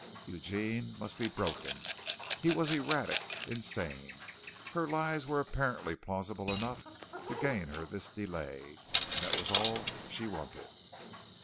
Eugene must be broken. He was erratic, insane. Her lies were apparently plausible enough to gain her this delay, and that was all she wanted.